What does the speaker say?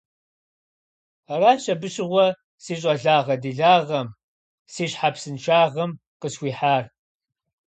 Аращ абы щыгъуэ си щӀалагъэ-делагъэм, си щхьэпсыншагъэм къысхуихьар.